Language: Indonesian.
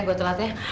gue telat ya